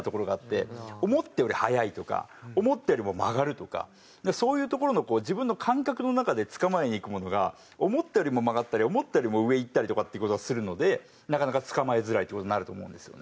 思ったより速いとか思ったよりも曲がるとかそういうところの自分の感覚の中で捕まえにいくものが思ったよりも曲がったり思ったよりも上いったりとかっていう事がするのでなかなか捕まえづらいって事になると思うんですよね。